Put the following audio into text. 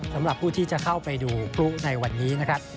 สำหรับผู้ที่จะเข้าไปดูพลุในวันนี้นะครับ